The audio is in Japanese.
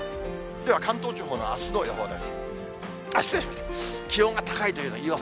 では、関東地方のあすの予報です。